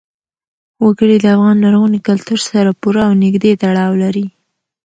وګړي د افغان لرغوني کلتور سره پوره او نږدې تړاو لري.